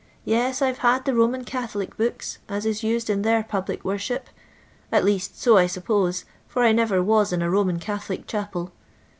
Yes, I *ve had the Roman Catholic books, as is used in their public worship — at least so I suppose, for I never was in a Roman Catholic chapel.